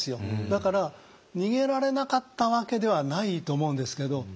だから逃げられなかったわけではないと思うんですけど。